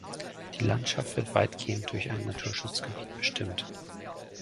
Die Landschaft wird weitgehend durch ein Naturschutzgebiet bestimmt.